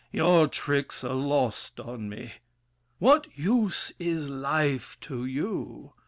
Your tricks are lost on me! What use is life To you?